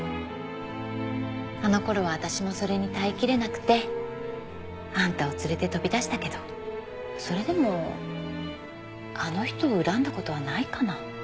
あの頃は私もそれに耐えきれなくてあんたを連れて飛び出したけどそれでもあの人を恨んだ事はないかな。